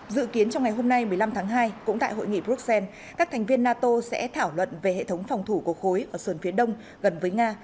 dự kiến trong ngày hôm nay một mươi năm tháng hai cũng tại hội nghị bruxelles các thành viên nato sẽ thảo luận về hệ thống phòng thủ của khối ở sơn phía đông gần với nga